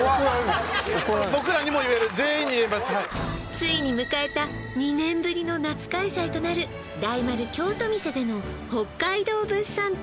僕らにもいえる全員にいえますついに迎えた２年ぶりの夏開催となる大丸京都店での北海道物産展